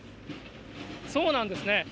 そうなんですね。